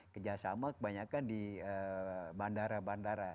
kerjasama kebanyakan di bandara bandara